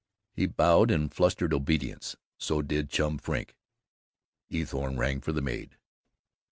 He bowed in flustered obedience. So did Chum Frink. Eathorne rang for the maid.